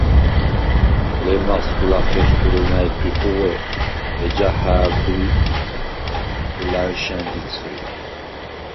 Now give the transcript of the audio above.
ლემასგვ ლახე სურუ ნა̈ჲთვი ხუღვე, ეჯა ჰა̄ვდრი ლა̈ნშა̈ნდ იცხრი.